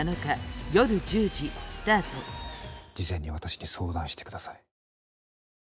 事前に私に相談してください。